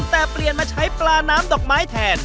แต่เปลี่ยนมาใช้ปลาน้ำดอกไม้แทน